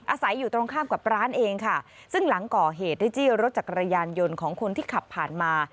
อาศัยอยู่ตรงข้ามกับร้านเองค่ะซึ่งหลังก่อเหตุได้จี้รถจักรยานยนต์ของคนที่ขับผ่านมา